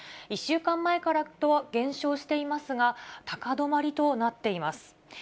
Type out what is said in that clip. １週間前から減少していますが、高止まりとなっています。